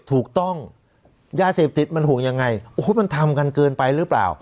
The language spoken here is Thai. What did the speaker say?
ถูกต้องยาเสพติดมันห่วงยังไงโอ้โหมันทำกันเกินไปหรือเปล่า